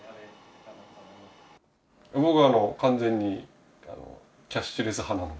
僕は完全にキャッシュレス派なので。